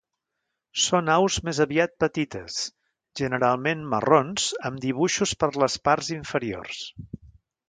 Són aus més aviat petites, generalment marrons amb dibuixos per les parts inferiors.